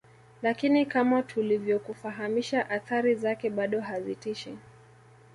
Lakini kama tulivyokufahamisha athari zake bado hazitishi